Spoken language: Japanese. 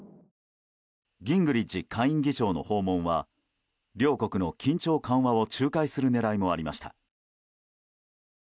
ギングリッチ下院議長の訪問は両国の緊張緩和を仲介する狙いもありました。